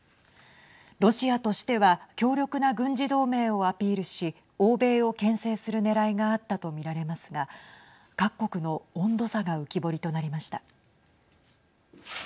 ロシアとしては強力な軍事同盟をアピールし欧米をけん制するねらいがあったとみられますが各国の温度差が浮き彫りとなりました。